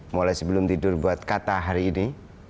mulai sebelum tidur buat kata hari ini